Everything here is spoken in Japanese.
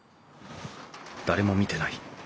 誰も見てない。